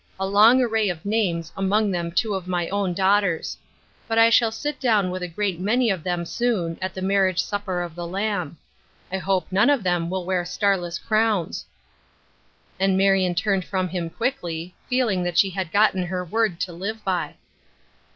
A long array of names, among them two of my own daughters. But I shall sit down with a great many of them soon, at 'the marriage supper of the Lamb.' I hope none of them will wear starless crowns." And Marion turned from him quickly, feeling that she had gotten her word to live by.